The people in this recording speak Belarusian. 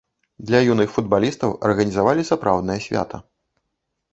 Для юных футбалістаў арганізавалі сапраўднае свята.